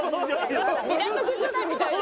港区女子みたいな。